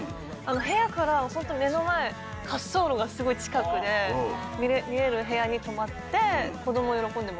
部屋からほんと目の前滑走路がすごい近くで見える部屋に泊まって子ども喜んでました。